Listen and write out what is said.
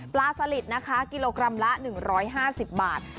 ปลาสลิดกิโลกรัมละ๑๕๐บาท